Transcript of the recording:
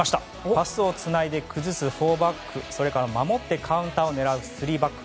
パスをつないで崩す４バックそれから守ってカウンターを狙う３バック。